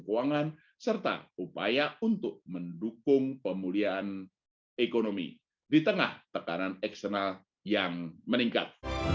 keuangan serta upaya untuk mendukung pemulihan ekonomi di tengah tekanan eksternal yang meningkat